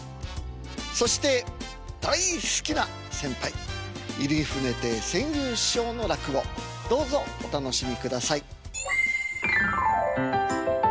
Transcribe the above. そして大好きな先輩入船亭扇遊師匠の落語どうぞお楽しみください。